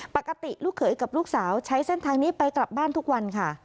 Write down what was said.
ปกติลูกเขยกับลูกสาวใช้เส้นทางนี้ไปกลับบ้านทุกวันค่ะ